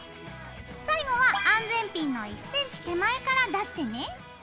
最後は安全ピンの１ｃｍ手前から出してね。